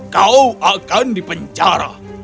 kau akan dipenjara